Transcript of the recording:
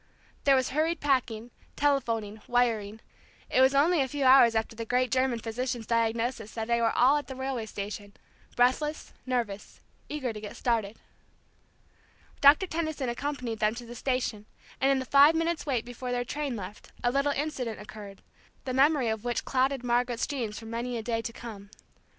There was hurried packing, telephoning, wiring; it was only a few hours after the great German physician's diagnosis that they were all at the railway station, breathless, nervous, eager to get started. Doctor Tenison accompanied them to the station, and in the five minutes' wait before their train left, a little incident occurred, the memory of which clouded Margaret's dreams for many a day to come.